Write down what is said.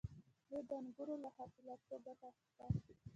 دوی د انګورو له حاصلاتو ګټه اخیسته